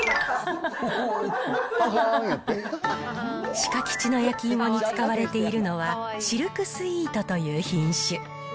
鹿吉の焼き芋に使われているのは、シルクスイートという品種。